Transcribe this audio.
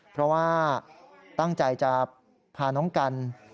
เพราะว่าตั้งใจจะพาน้องกัน